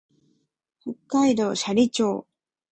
北海道斜里町